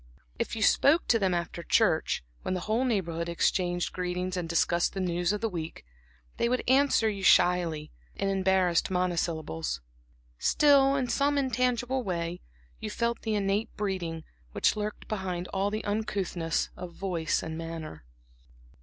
If you spoke to them after church, when the whole Neighborhood exchanges greetings and discusses the news of the week, they would answer you shyly, in embarrassed monosyllables. Still, in some intangible way, you felt the innate breeding, which lurked behind all the uncouthness of voice and manner.